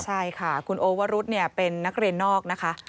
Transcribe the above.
ใช่ค่ะคุณโอวรุธเป็นนักเรียนนอกนะคะ